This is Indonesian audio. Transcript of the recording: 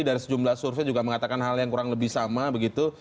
dari sejumlah survei juga mengatakan hal yang kurang lebih sama begitu